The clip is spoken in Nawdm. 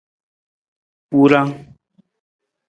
Wurang.